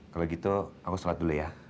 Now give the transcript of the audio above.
kalau gitu aku sholat dulu ya